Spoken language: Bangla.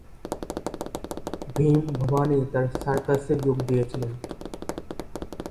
ভীম ভবানী তার সার্কাসে যোগ দিয়েছিলেন।